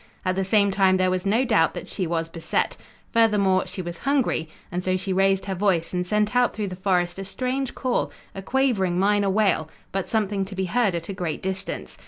At the same time there was no doubt that she was beset. Furthermore she was hungry, and so she raised her voice, and sent out through the forest a strange call, a quavering minor wail, but something to be heard at a great distance.